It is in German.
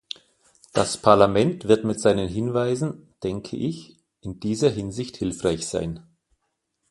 Das Parlament wird mit seinen Hinweisen, denke ich, in dieser Hinsicht hilfreich sein.